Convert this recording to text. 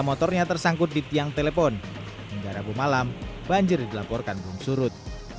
motornya tersangkut di tiang telepon hingga rabu malam banjir dilaporkan belum surut